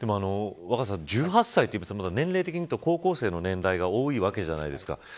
１８歳というと年齢的にいうと高校生の年代が多いわけじゃないですか。